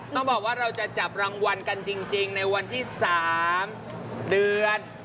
ต้องบอกว่าเราจะจับรางวัลกันจริงในวันที่๓เดือน